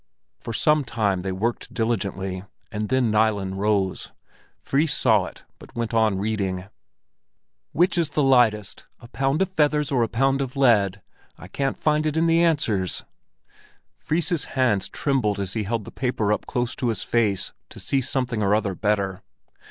For some time they worked diligently, and then Nilen rose. Fris saw it, but went on reading. "Which is the lightest, a pound of feathers or a pound of lead? I can't find it in the answers." Fris's hands trembled as he held the paper up close to his face to see something or other better.